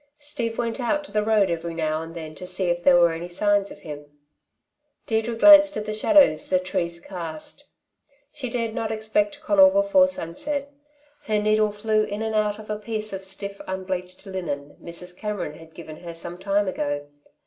Steve went out to the road every now and then to see if there were any signs of him. Deirdre glanced at the shadows the trees cast. She dared not expect Conal before sunset. Her needle flew in and out of a piece of stiff unbleached linen Mrs. Cameron had given her some time ago.